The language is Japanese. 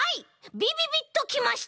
びびびっときました！